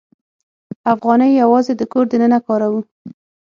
افغانۍ یوازې د کور دننه کاروو.